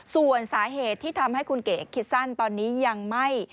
ส่วนสาเหตุที่ทำให้คุณเก๋คิดสั้นตอนนี้ยังไม่